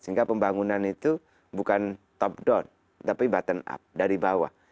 sehingga pembangunan itu bukan top down tapi button up dari bawah